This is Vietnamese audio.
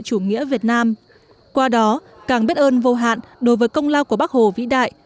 chủ nghĩa việt nam qua đó càng biết ơn vô hạn đối với công lao của bác hồ vĩ đại